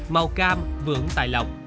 màu cam vượng tài lọc